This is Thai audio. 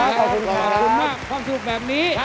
ขอบคุณมากความสุขแบบนี้